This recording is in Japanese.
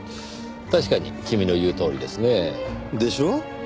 確かに君の言うとおりですね。でしょう？